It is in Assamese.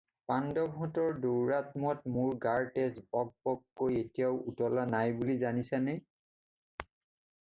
পাষণ্ডহঁতৰ দৌৰাত্ম্যত মোৰ গাৰ তেজ বকবককৈ এতিয়াও উতলা নাই বুলি জানিছা নে?